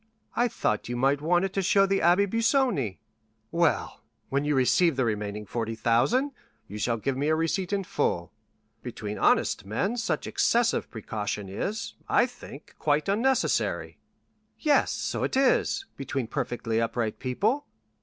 "I thought you might want it to show the Abbé Busoni." "Well, when you receive the remaining 40,000, you shall give me a receipt in full. Between honest men such excessive precaution is, I think, quite unnecessary." "Yes, so it is, between perfectly upright people."